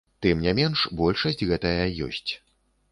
Тым не менш, большасць гэтая ёсць.